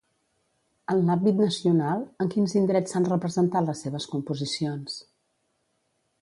En l'àmbit nacional, en quins indrets s'han representat les seves composicions?